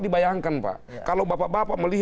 dibayangkan pak kalau bapak bapak